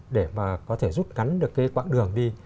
để mà có thể rút ngắn được cái quãng đường đi